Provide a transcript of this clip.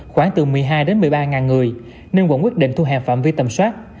khoảng từ một mươi hai một mươi ba người nên quận quyết định thu hạ phạm vi tầm soát